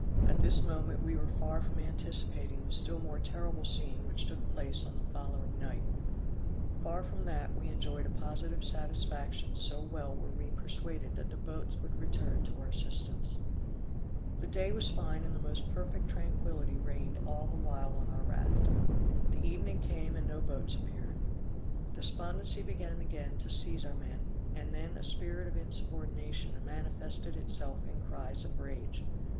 At this moment we were far from anticipating the still more terrible scene which took place on the following night; far from that, we enjoyed a positive satisfaction so well were we persuaded that the boats would return to our assistance. The day was fine, and the most perfect tranquility reigned all the while on our raft. The evening came and no boats appeared. Despondency began again to seize our men, and then a spirit of insubordination manifested itself in cries of rage.